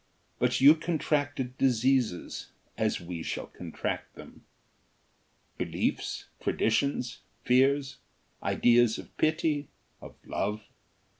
But you contracted diseases, as we shall contract them, beliefs, traditions; fears; ideas of pity ... of love.